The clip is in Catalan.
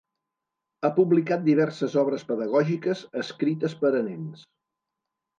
Ha publicat diverses obres pedagògiques escrites per a nens.